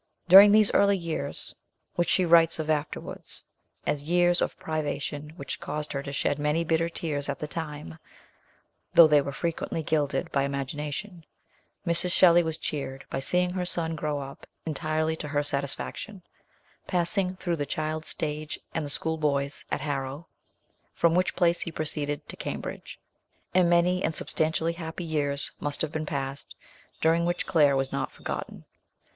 During these early years, which she writes of afterwards as years of privation which caused her to shed many bitter tears at the time, though they were frequently gilded by imagination, Mrs. Shelley was cheered by seeing her son grow up entirely to her satisfaction, passing through the child's stage and the school boy's at Harrow, from which place he proceeded to Cambridge ; and many and substantially happy years must have been passed, during which Claire was not forgotten.